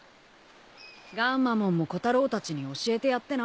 ガンマモンもコタロウたちに教えてやってな。